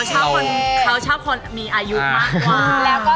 เขาชอบคนมีอายุมากกว่า